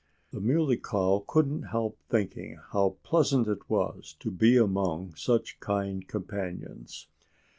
The Muley Cow couldn't help thinking how pleasant it was to be among such kind companions.